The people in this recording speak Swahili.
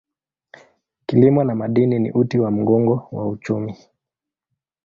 Kilimo na madini ni uti wa mgongo wa uchumi.